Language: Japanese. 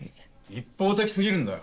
一方的過ぎるんだよ。